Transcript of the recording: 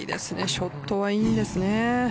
ショットはいいんですね。